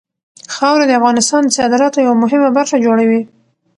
خاوره د افغانستان د صادراتو یوه مهمه برخه جوړوي.